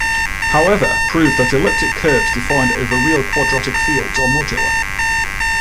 However, proved that elliptic curves defined over real quadratic fields are modular.